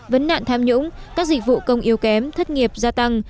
vấn nạn tham nhũng các dịch vụ công yếu kém thất nghiệp gia tăng